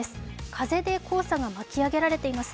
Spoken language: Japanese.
風で黄砂が巻き上げられています。